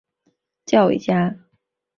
教育家。